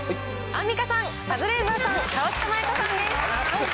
アンミカさん、カズレーザーさん、河北麻友子さんです。